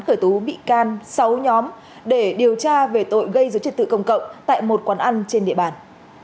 khởi tố bị can sáu nhóm để điều tra về tội gây dối trật tự công cộng tại một quán ăn trên địa bàn